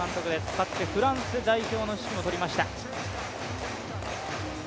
かつてフランス代表の指揮も執りました。